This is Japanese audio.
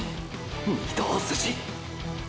御堂筋！！